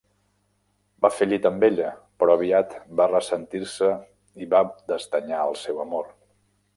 Va fer llit amb ella, però aviat va ressentir-se i va desdenyar el seu amor.